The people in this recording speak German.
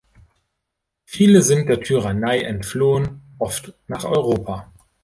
Viele sind der Tyrannei entflohen, oft nach Europa.